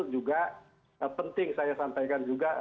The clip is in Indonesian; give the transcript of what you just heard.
juga penting saya sampaikan juga